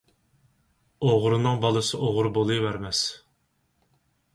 ئوغرىنىڭ بالىسى ئوغرى بولۇۋەرمەس.